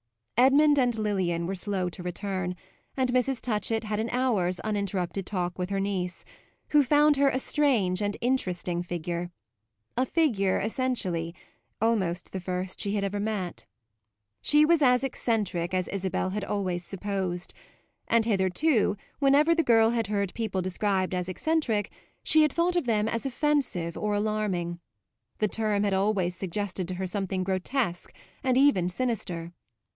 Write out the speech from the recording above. Edmund and Lilian were slow to return, and Mrs. Touchett had an hour's uninterrupted talk with her niece, who found her a strange and interesting figure: a figure essentially almost the first she had ever met. She was as eccentric as Isabel had always supposed; and hitherto, whenever the girl had heard people described as eccentric, she had thought of them as offensive or alarming. The term had always suggested to her something grotesque and even sinister.